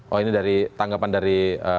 oh ini dari tanggapan dari